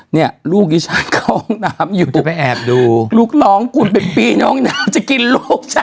เนี่ยลูกดิฉันเข้าห้องน้ำอยู่ไปแอบดูลูกน้องคุณเป็นปีน้องน้ำจะกินลูกฉัน